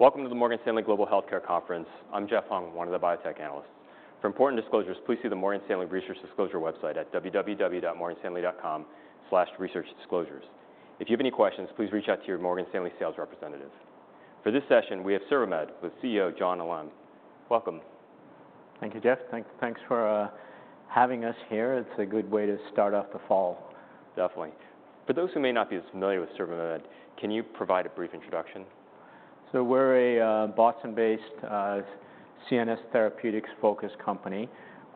Welcome to the Morgan Stanley Global Healthcare Conference. I'm Jeff Hung, one of the biotech analysts. For important disclosures, please see the Morgan Stanley Research Disclosure website at www.morganstanley.com/researchdisclosures. If you have any questions, please reach out to your Morgan Stanley sales representative. For this session, we have CervoMed, with CEO John Alam. Welcome. Thank you, Jeff. Thanks for having us here. It's a good way to start off the fall. Definitely. For those who may not be as familiar with CervoMed, can you provide a brief introduction? We're a Boston-based CNS therapeutics-focused company.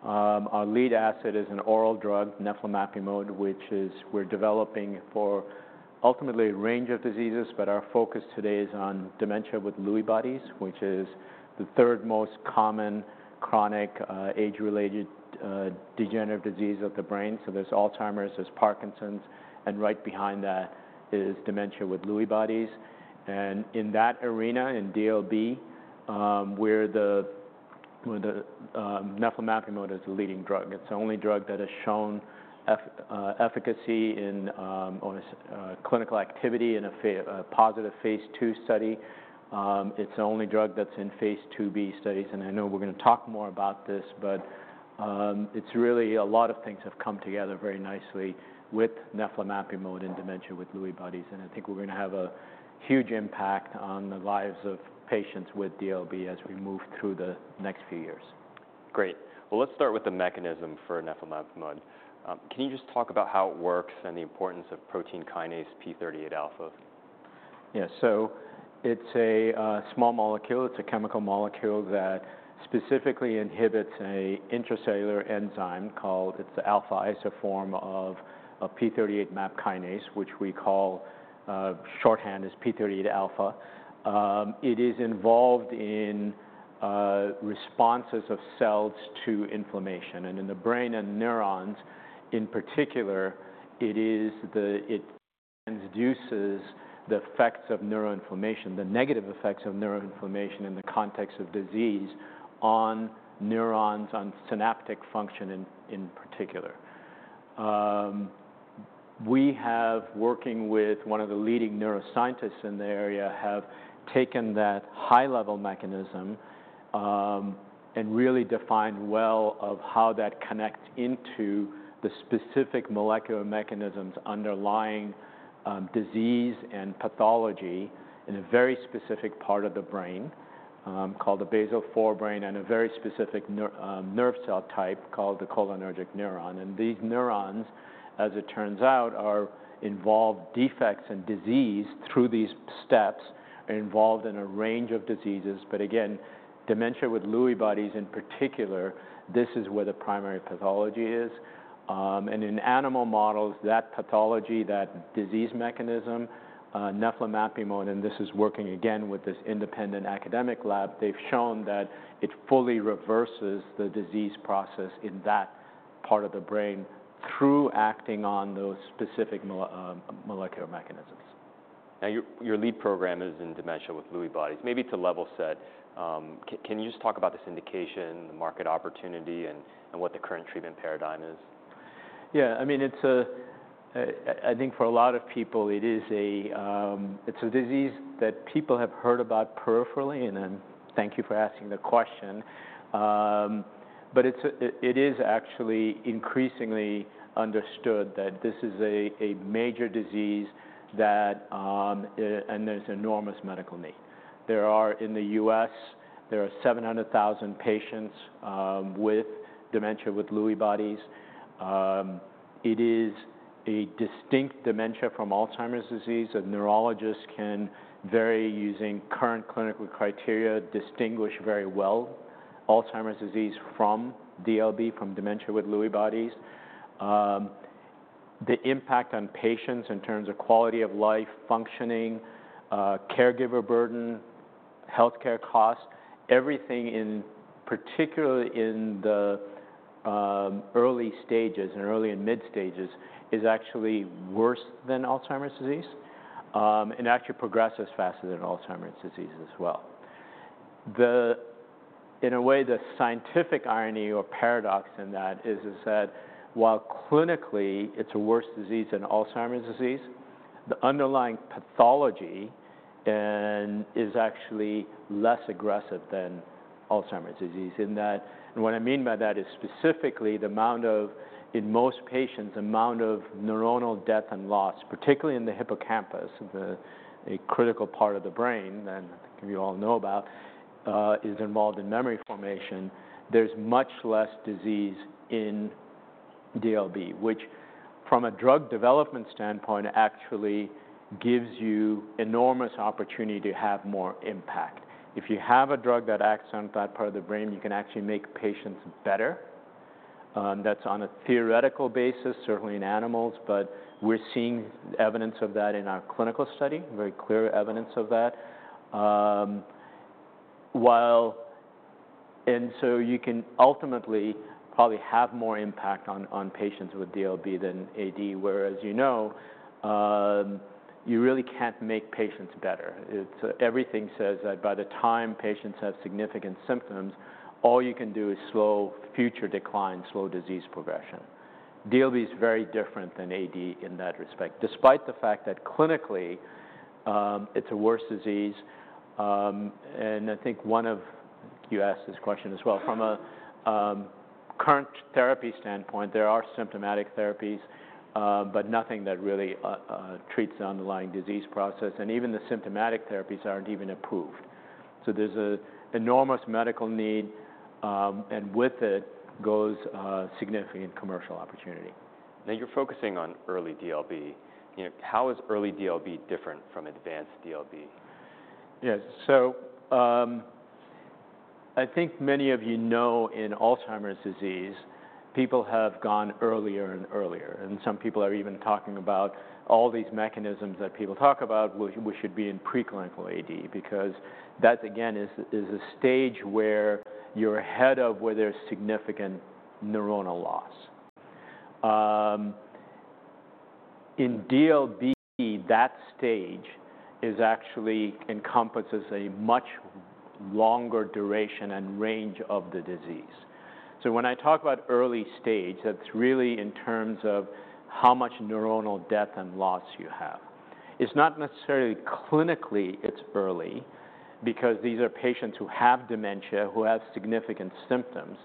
Our lead asset is an oral drug, neflamapimod, which we're developing for ultimately a range of diseases, but our focus today is on dementia with Lewy bodies, which is the third most common chronic age-related degenerative disease of the brain. There's Alzheimer's, there's Parkinson's, and right behind that is dementia with Lewy bodies. In that arena, in DLB, we're where neflamapimod is the leading drug. It's the only drug that has shown efficacy or clinical activity in a positive phase II study. It's the only drug that's in phase IIb studies, and I know we're gonna talk more about this, but, it's really a lot of things have come together very nicely with neflamapimod in dementia with Lewy bodies, and I think we're gonna have a huge impact on the lives of patients with DLB as we move through the next few years. Great. Well, let's start with the mechanism for neflamapimod. Can you just talk about how it works and the importance of protein kinase p38 alpha? Yeah. So it's a small molecule. It's a chemical molecule that specifically inhibits a intracellular enzyme called. It's the alpha, it's a form of p38 MAP kinase, which we call shorthand as p38 alpha. It is involved in responses of cells to inflammation, and in the brain and neurons in particular, it reduces the effects of neuroinflammation, the negative effects of neuroinflammation in the context of disease on neurons, on synaptic function in particular. We have, working with one of the leading neuroscientists in the area, have taken that high-level mechanism, and really defined well of how that connects into the specific molecular mechanisms underlying disease and pathology in a very specific part of the brain called the basal forebrain, and a very specific nerve cell type called the cholinergic neuron. And these neurons, as it turns out, are involved defects and disease through these steps, are involved in a range of diseases, but again, dementia with Lewy bodies in particular, this is where the primary pathology is. And in animal models, that pathology, that disease mechanism, neflamapimod, and this is working again with this independent academic lab, they've shown that it fully reverses the disease process in that part of the brain through acting on those specific molecular mechanisms. Now, your lead program is in dementia with Lewy bodies. Maybe to level set, can you just talk about this indication, the market opportunity, and what the current treatment paradigm is? Yeah, I mean, I think for a lot of people, it is a disease that people have heard about peripherally, and thank you for asking the question, but it is actually increasingly understood that this is a major disease, and there's enormous medical need. There are in the U.S. 700,000 patients with dementia with Lewy bodies. It is a distinct dementia from Alzheimer's disease, and neurologists can, using current clinical criteria, very well distinguish Alzheimer's disease from DLB from dementia with Lewy bodies. The impact on patients in terms of quality of life, functioning, caregiver burden, healthcare costs, everything in, particularly in the early stages, in early and mid stages, is actually worse than Alzheimer's disease, and actually progresses faster than Alzheimer's disease as well. In a way, the scientific irony or paradox in that is that while clinically it's a worse disease than Alzheimer's disease, the underlying pathology, and, is actually less aggressive than Alzheimer's disease. And that. And what I mean by that is specifically the amount of, in most patients, neuronal death and loss, particularly in the hippocampus, a critical part of the brain that we all know about, is involved in memory formation, there's much less disease in DLB, which from a drug development standpoint, actually gives you enormous opportunity to have more impact. If you have a drug that acts on that part of the brain, you can actually make patients better. That's on a theoretical basis, certainly in animals, but we're seeing evidence of that in our clinical study, very clear evidence of that, and so you can ultimately probably have more impact on patients with DLB than AD, whereas, you know, you really can't make patients better. It's everything says that by the time patients have significant symptoms, all you can do is slow future decline, slow disease progression. DLB is very different than AD in that respect, despite the fact that clinically, it's a worse disease. And I think one of you asked this question as well, from a current therapy standpoint, there are symptomatic therapies, but nothing that really treats the underlying disease process, and even the symptomatic therapies aren't even approved. So there's an enormous medical need, and with it goes a significant commercial opportunity. Now, you're focusing on early DLB. You know, how is early DLB different from advanced DLB? Yes. So, I think many of you know, in Alzheimer's disease, people have gone earlier and earlier, and some people are even talking about all these mechanisms that people talk about, which should be in preclinical AD, because that, again, is a stage where you're ahead of where there's significant neuronal loss. In DLB, that stage is actually encompasses a much longer duration and range of the disease. So when I talk about early stage, that's really in terms of how much neuronal death and loss you have. It's not necessarily clinically, it's early, because these are patients who have dementia, who have significant symptoms,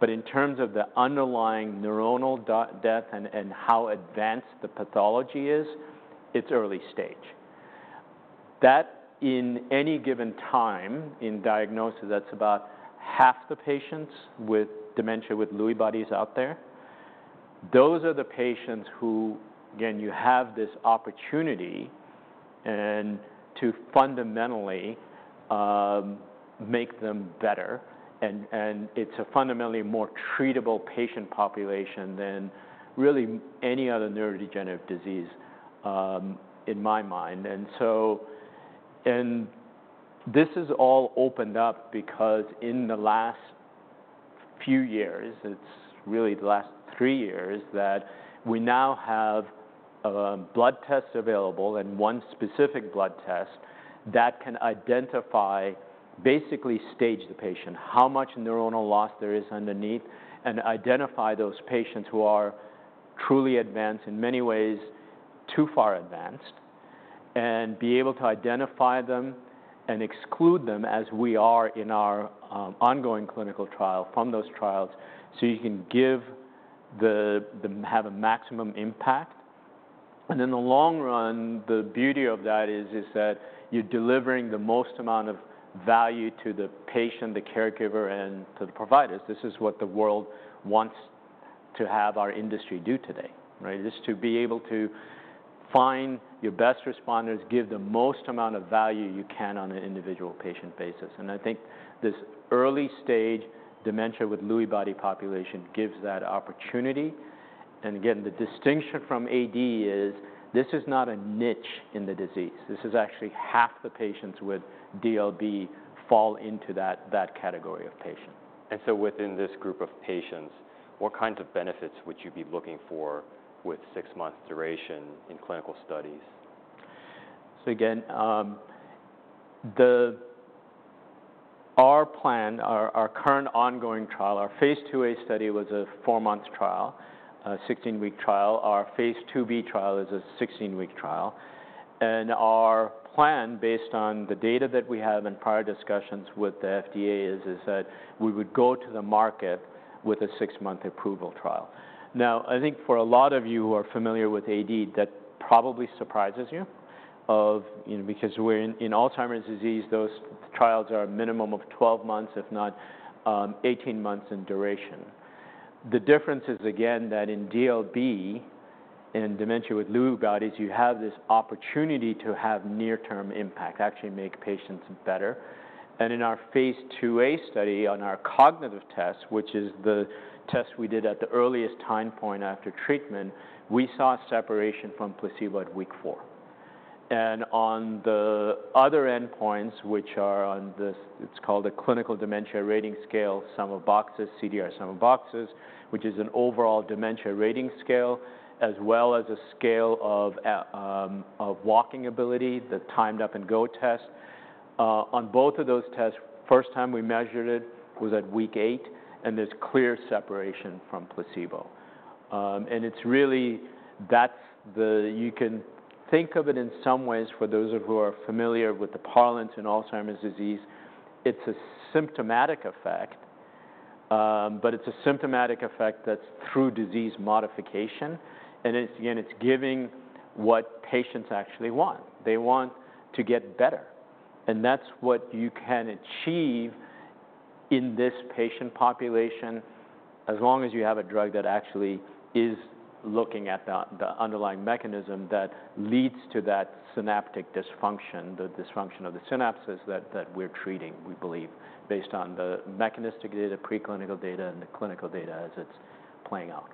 but in terms of the underlying neuronal death and how advanced the pathology is, it's early stage. That, in any given time in diagnosis, that's about half the patients with dementia with Lewy bodies out there. Those are the patients who, again, you have this opportunity and to fundamentally make them better, and it's a fundamentally more treatable patient population than really any other neurodegenerative disease, in my mind. And so this is all opened up because in the last few years, it's really the last three years, that we now have blood tests available and one specific blood test that can identify, basically stage the patient, how much neuronal loss there is underneath, and identify those patients who are truly advanced, in many ways, too far advanced, and be able to identify them and exclude them as we are in our ongoing clinical trial from those trials, so you can have a maximum impact. And in the long run, the beauty of that is that you're delivering the most amount of value to the patient, the caregiver, and to the providers. This is what the world wants to have our industry do today, right? Just to be able to find your best responders, give the most amount of value you can on an individual patient basis. And I think this early-stage dementia with Lewy bodies population gives that opportunity. And again, the distinction from AD is, this is not a niche in the disease. This is actually half the patients with DLB fall into that category of patient. And so within this group of patients, what kinds of benefits would you be looking for with six months duration in clinical studies? So again, our plan, our current ongoing trial, our phase IIa study was a four-month trial, 16-week trial. Our phase IIb trial is a 16-week trial, and our plan, based on the data that we have in prior discussions with the FDA, is that we would go to the market with a 6-month approval trial. Now, I think for a lot of you who are familiar with AD, that probably surprises you, you know, because we're in Alzheimer's disease, those trials are a minimum of 12 months, if not, 18 months in duration. The difference is, again, that in DLB, in dementia with Lewy bodies, you have this opportunity to have near-term impact, actually make patients better. In our phase IIa study on our cognitive test, which is the test we did at the earliest time point after treatment, we saw separation from placebo at week four. On the other endpoints, which are on this, it's called a Clinical Dementia Rating Scale, Sum of Boxes, CDR Sum of Boxes, which is an overall dementia rating scale, as well as a scale of walking ability, the Timed Up and Go test. On both of those tests, first time we measured it was at week eight, and there's clear separation from placebo. It's really that's, you can think of it in some ways, for those of you who are familiar with the parlance in Alzheimer's disease, it's a symptomatic effect, but it's a symptomatic effect that's through disease modification, and it's, again, it's giving what patients actually want. They want to get better, and that's what you can achieve in this patient population, as long as you have a drug that actually is looking at the underlying mechanism that leads to that synaptic dysfunction, the dysfunction of the synapses that we're treating. We believe, based on the mechanistic data, preclinical data, and the clinical data as it's playing out.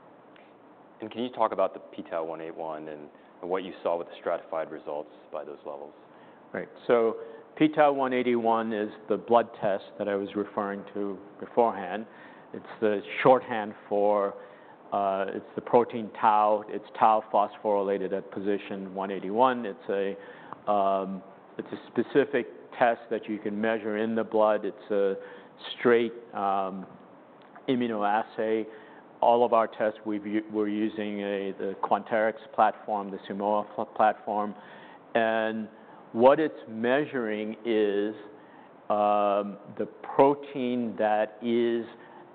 Can you talk about the p-tau181 and what you saw with the stratified results by those levels? Right. So p-tau181 is the blood test that I was referring to beforehand. It's the shorthand for, it's the protein tau. It's tau phosphorylated at position 181. It's a specific test that you can measure in the blood. It's a straight immunoassay. All of our tests, we're using the Quanterix platform, the Simoa platform. And what it's measuring is the protein that is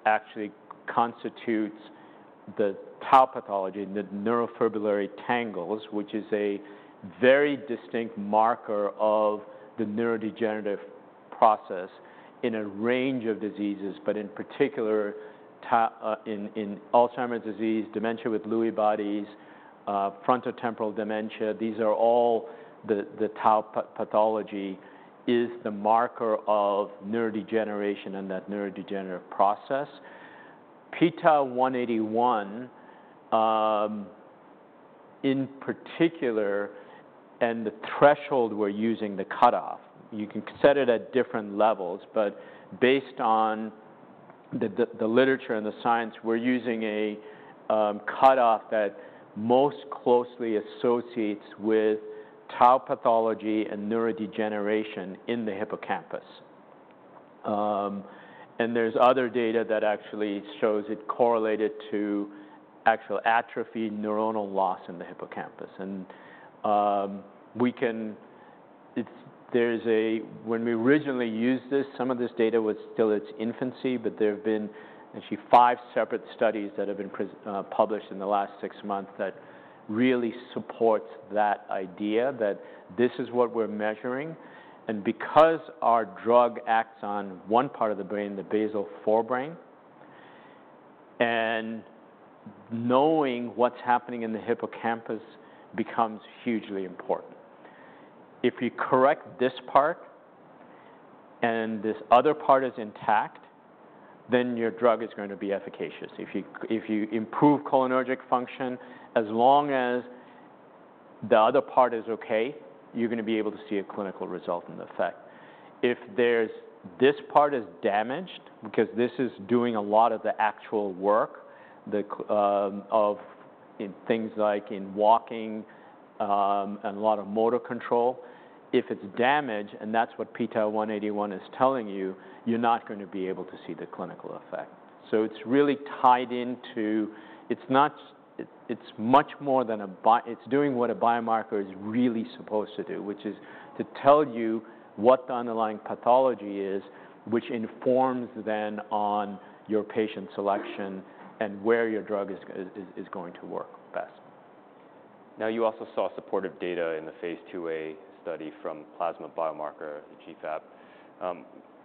actually constitutes the tau pathology, the neurofibrillary tangles, which is a very distinct marker of the neurodegenerative process in a range of diseases, but in particular, tau in Alzheimer's disease, dementia with Lewy bodies, frontotemporal dementia. These are all the tau pathology is the marker of neurodegeneration and that neurodegenerative process. p-tau181, in particular, and the threshold we're using, the cutoff, you can set it at different levels, but based on the literature and the science, we're using a cutoff that most closely associates with tau pathology and neurodegeneration in the hippocampus. And there's other data that actually shows it correlated to actual atrophy, neuronal loss in the hippocampus. When we originally used this, some of this data was still in its infancy, but there have been actually five separate studies that have been published in the last six months that really support that idea, that this is what we're measuring. And because our drug acts on one part of the brain, the basal forebrain, and knowing what's happening in the hippocampus becomes hugely important. If you correct this part, and this other part is intact, then your drug is going to be efficacious. If you improve cholinergic function, as long as the other part is okay, you're gonna be able to see a clinical result and effect. If this part is damaged, because this is doing a lot of the actual work in things like walking and a lot of motor control. If it's damaged, and that's what p-tau181 is telling you, you're not gonna be able to see the clinical effect. So it's really tied into it. It's not. It's much more than a biomarker. It's doing what a biomarker is really supposed to do, which is to tell you what the underlying pathology is, which informs then on your patient selection and where your drug is going to work best. Now, you also saw supportive data in the phase IIa study from plasma biomarker, the GFAP.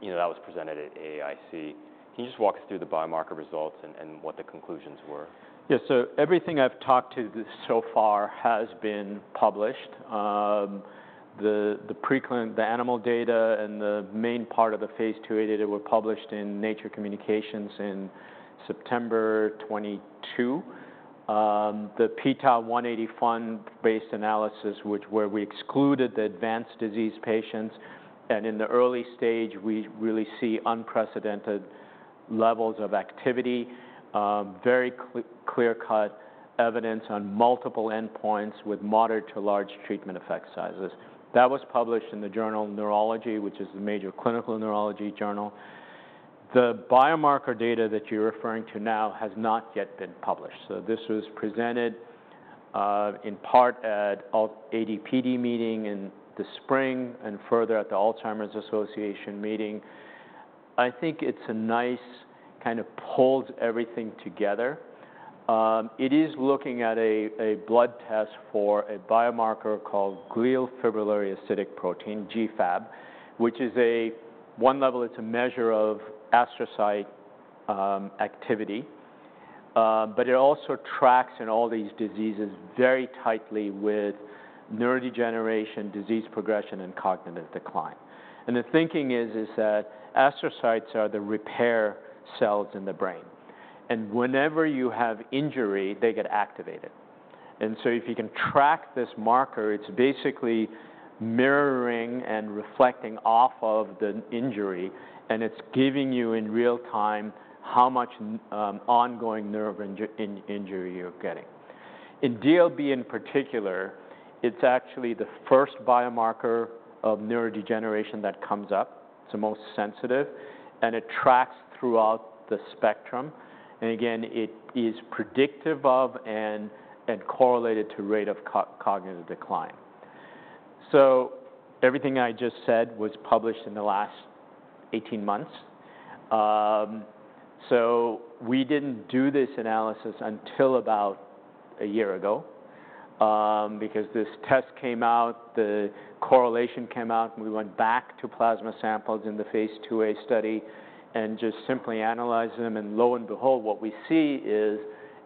You know, that was presented at AAIC. Can you just walk us through the biomarker results and what the conclusions were? Yeah. So everything I've talked to so far has been published. The animal data and the main part of the phase IIa data were published in Nature Communications in September 2022. The p-tau181-based analysis, which where we excluded the advanced disease patients, and in the early stage, we really see unprecedented levels of activity, very clear-cut evidence on multiple endpoints with moderate to large treatment effect sizes. That was published in the journal Neurology, which is a major clinical neurology journal. The biomarker data that you're referring to now has not yet been published, so this was presented in part at AD/PD meeting in the spring and further at the Alzheimer's Association meeting. I think it's a nice, kind of pulls everything together. It is looking at a blood test for a biomarker called glial fibrillary acidic protein, GFAP, which is, on one level, a measure of astrocyte activity. But it also tracks in all these diseases very tightly with neurodegeneration, disease progression, and cognitive decline. And the thinking is that astrocytes are the repair cells in the brain, and whenever you have injury, they get activated. And so if you can track this marker, it is basically mirroring and reflecting off of the injury, and it is giving you, in real time, how much ongoing nerve injury you are getting. In DLB, in particular, it is actually the first biomarker of neurodegeneration that comes up. It is the most sensitive, and it tracks throughout the spectrum. And again, it is predictive of and correlated to rate of cognitive decline. Everything I just said was published in the last eighteen months. We didn't do this analysis until about a year ago because this test came out, the correlation came out, and we went back to plasma samples in the phase IIa study and just simply analyzed them. And lo and behold, what we see is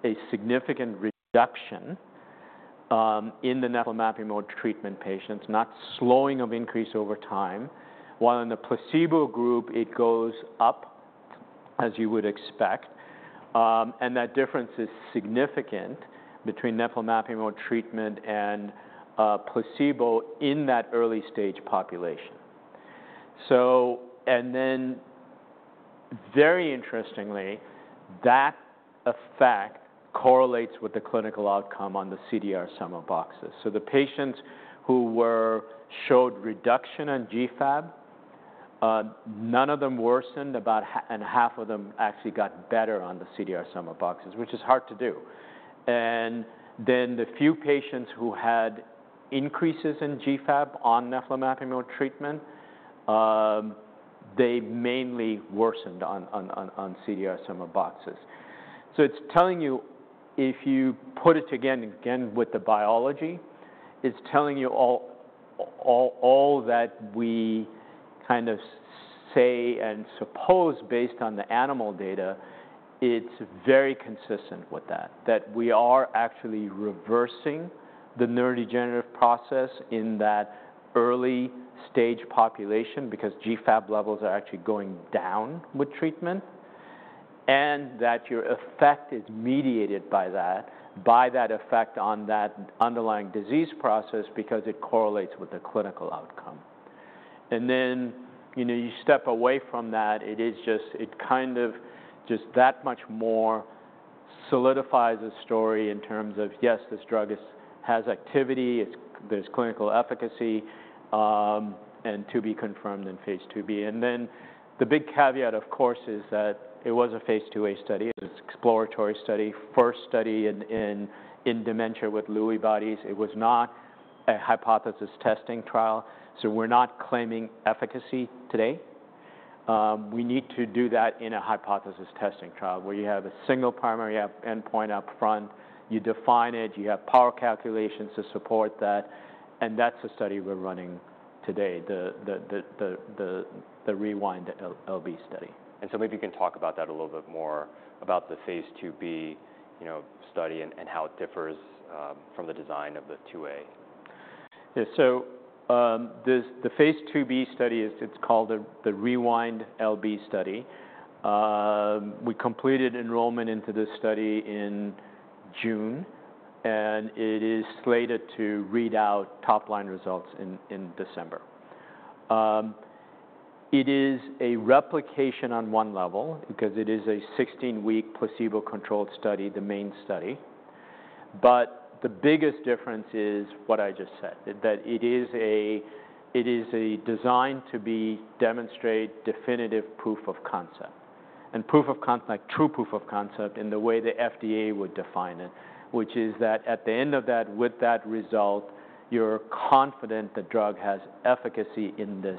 a significant reduction in the neflamapimod treatment patients, not slowing of increase over time, while in the placebo group, it goes up, as you would expect. And that difference is significant between neflamapimod treatment and placebo in that early stage population. That effect correlates with the clinical outcome on the CDR Sum of Boxes. So the patients who showed reduction in GFAP, none of them worsened, about half of them actually got better on the CDR Sum of Boxes, which is hard to do. And then the few patients who had increases in GFAP on neflamapimod treatment, they mainly worsened on CDR Sum of Boxes. So it's telling you, if you put it again with the biology, it's telling you all that we kind of say and suppose based on the animal data, it's very consistent with that. That we are actually reversing the neurodegenerative process in that early stage population, because GFAP levels are actually going down with treatment, and that your effect is mediated by that effect on that underlying disease process because it correlates with the clinical outcome. And then, you know, you step away from that, it is just it kind of just that much more solidifies the story in terms of, yes, this drug is has activity, it's there's clinical efficacy, and to be confirmed in phase IIb. And then the big caveat, of course, is that it was a phase IIa study. It's an exploratory study, first study in dementia with Lewy bodies. It was not a hypothesis testing trial, so we're not claiming efficacy today. We need to do that in a hypothesis testing trial, where you have a single primary endpoint up front, you define it, you have power calculations to support that, and that's the study we're running today, the Rewind-LB study. So maybe you can talk about that a little bit more, about the phase IIb, you know, study and how it differs from the design of the IIa. Yeah. So, this, the phase IIb study is, it's called the Rewind-LB study. We completed enrollment into this study in June, and it is slated to read out top line results in December. It is a replication on one level because it is a sixteen-week placebo-controlled study, the main study. But the biggest difference is what I just said, that it is designed to demonstrate definitive proof of concept. And proof of concept, like, true proof of concept in the way the FDA would define it, which is that at the end of that, with that result, you're confident the drug has efficacy in this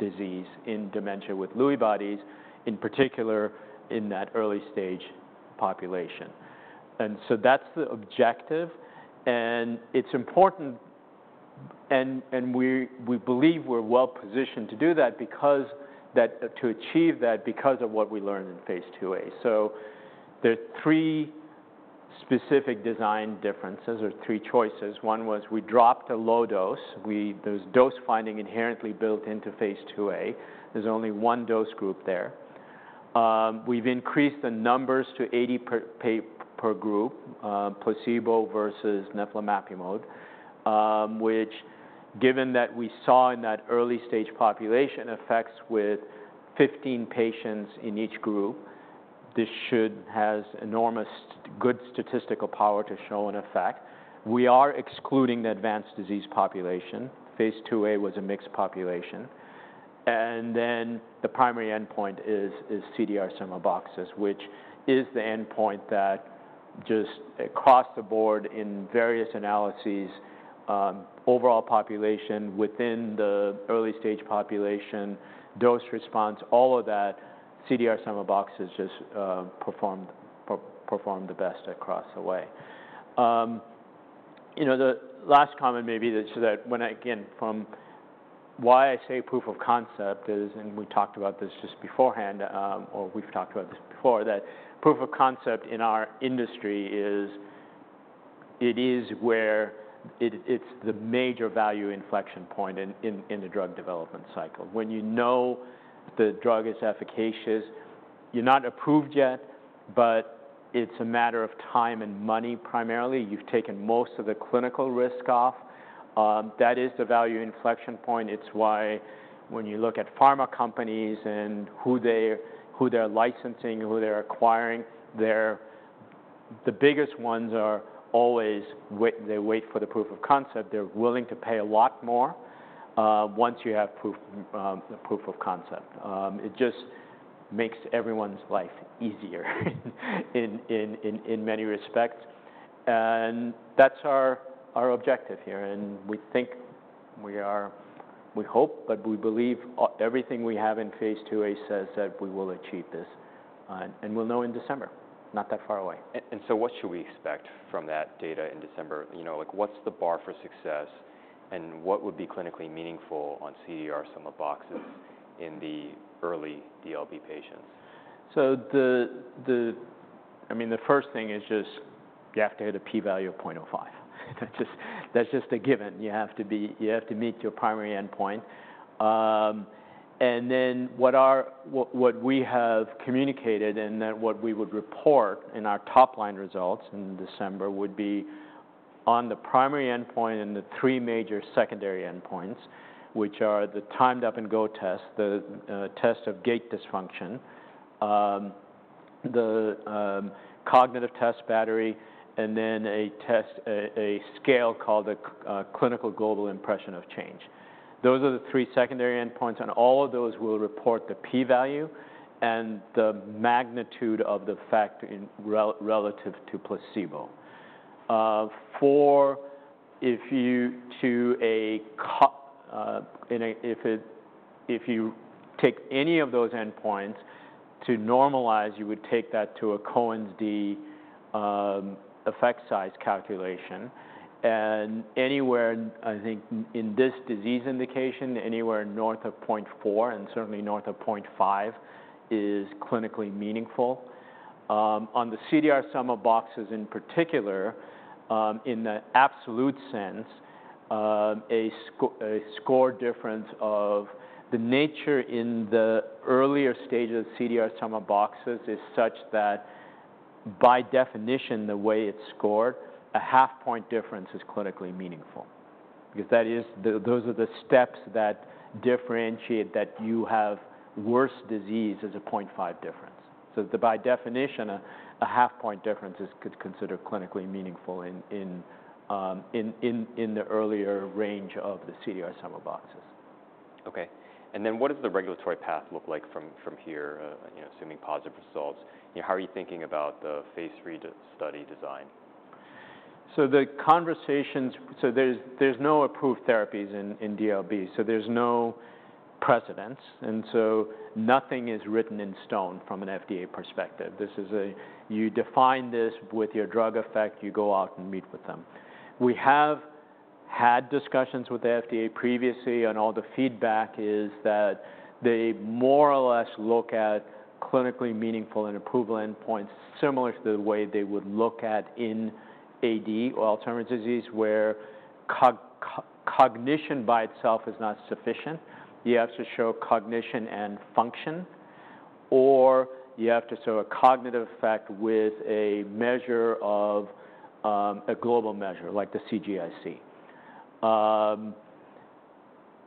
disease, in dementia with Lewy bodies, in particular, in that early stage population. And so that's the objective, and it's important, and we believe we're well positioned to do that, to achieve that, because of what we learned in phase IIa. So there are three specific design differences or three choices. One was we dropped a low dose. There's dose-finding inherently built into phase IIa. There's only one dose group there. We've increased the numbers to 80 per group, placebo versus neflamapimod, which given that we saw in that early stage population effects with 15 patients in each group, this has enormous good statistical power to show an effect. We are excluding the advanced disease population. Phase IIa was a mixed population. The primary endpoint is CDR Sum of Boxes, which is the endpoint that just across the board in various analyses, overall population, within the early stage population, dose response, all of that CDR Sum of Boxes just performed the best across the way. You know, the last comment maybe that, so that when I... again, from why I say proof of concept is, and we talked about this just beforehand, or we've talked about this before, that proof of concept in our industry is where it's the major value inflection point in the drug development cycle. When you know the drug is efficacious, you're not approved yet, but it's a matter of time and money, primarily. You've taken most of the clinical risk off. That is the value inflection point. It's why when you look at pharma companies and who they're licensing, who they're acquiring, they're. The biggest ones always wait for the proof of concept. They're willing to pay a lot more once you have proof, proof of concept. It just makes everyone's life easier in many respects. And that's our objective here, and we think we are. We hope, but we believe everything we have in phase IIa says that we will achieve this. And we'll know in December, not that far away. So what should we expect from that data in December? You know, like, what's the bar for success, and what would be clinically meaningful on CDR Sum of Boxes in the early DLB patients? So, I mean, the first thing is just, you have to hit a p-value of 0.05. That's a given. You have to meet your primary endpoint. And then what we have communicated, and then what we would report in our top-line results in December would be on the primary endpoint and the three major secondary endpoints, which are the Timed Up and Go test, the test of gait dysfunction, the cognitive test battery, and then a scale called Clinical Global Impression of Change. Those are the three secondary endpoints, and all of those will report the p-value and the magnitude of the effect in relative to placebo. If you take any of those endpoints to normalize, you would take that to a Cohen's d effect size calculation, and anywhere, I think, in this disease indication, anywhere north of point four and certainly north of point five, is clinically meaningful. On the CDR Sum of Boxes in particular, in the absolute sense, a score difference of the nature in the earlier stage of CDR Sum of Boxes is such that by definition, the way it's scored, a half point difference is clinically meaningful. Because that is... Those are the steps that differentiate that you have worse disease as a point five difference. So by definition, a half point difference is considered clinically meaningful in the earlier range of the CDR Sum of Boxes. Okay. And then what does the regulatory path look like from here, you know, assuming positive results? You know, how are you thinking about the phase III to study design? There's no approved therapies in DLB, so there's no precedent, and so nothing is written in stone from an FDA perspective. This is a. You define this with your drug effect, you go out and meet with them. We have had discussions with the FDA previously, and all the feedback is that they more or less look at clinically meaningful and approval endpoints, similar to the way they would look at in AD or Alzheimer's disease, where cognition by itself is not sufficient. You have to show cognition and function, or you have to show a cognitive effect with a measure of a global measure, like the CGIC.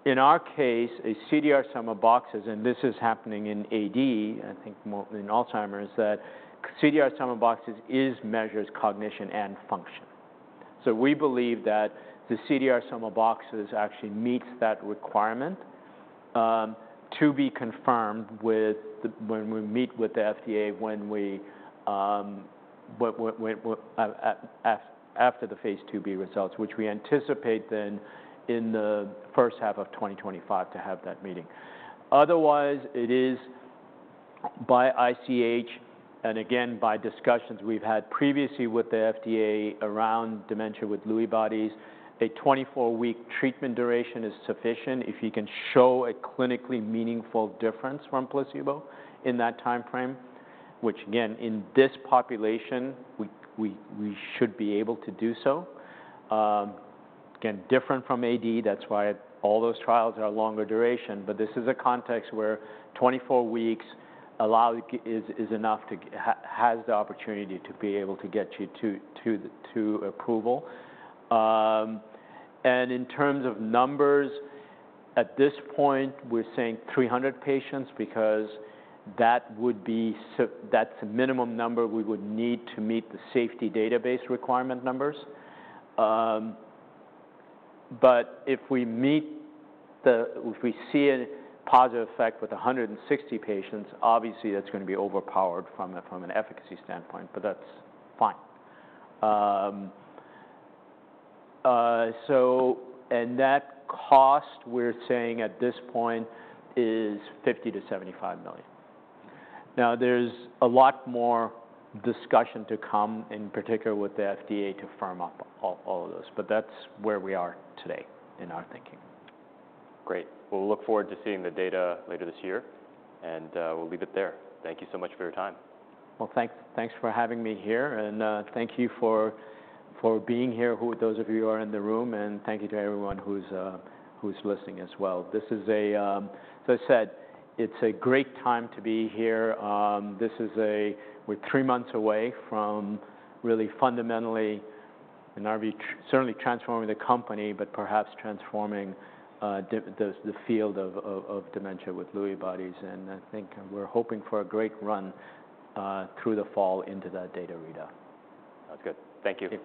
In our case, a CDR Sum of Boxes, and this is happening in AD, I think more in Alzheimer's, that CDR Sum of Boxes is measures cognition and function. So we believe that the CDR Sum of Boxes actually meets that requirement, to be confirmed with the FDA when we meet with the FDA after the phase IIb results, which we anticipate in the H1 of 2025 to have that meeting. Otherwise, it is by ICH, and again, by discussions we've had previously with the FDA around dementia with Lewy bodies, a 24-week treatment duration is sufficient if you can show a clinically meaningful difference from placebo in that timeframe, which again, in this population, we should be able to do so. Again, different from AD, that's why all those trials are longer duration, but this is a context where 24 weeks allows. Is enough to get. Has the opportunity to be able to get you to approval. And in terms of numbers, at this point, we're saying 300 patients because that would be that's the minimum number we would need to meet the safety database requirement numbers. But if we see a positive effect with 160 patients, obviously, that's gonna be overpowered from a, from an efficacy standpoint, but that's fine. So and that cost, we're saying at this point, is $50-$75 million. Now, there's a lot more discussion to come, in particular with the FDA, to firm up all, all of this, but that's where we are today in our thinking. Great. Well, we look forward to seeing the data later this year, and we'll leave it there. Thank you so much for your time. Thanks for having me here, and thank you for being here, those of you who are in the room, and thank you to everyone who's listening as well. As I said, it's a great time to be here. This is, we're three months away from really fundamentally and are we certainly transforming the company, but perhaps transforming the field of dementia with Lewy bodies, and I think we're hoping for a great run through the fall into that data readout. That's good. Thank you.